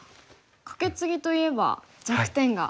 カケツギといえば弱点が。